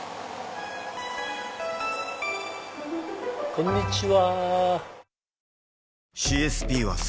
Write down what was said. こんにちは。